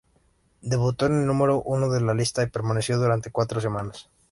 Debutó en el número uno de la lista y permaneció durante cuatro semanas.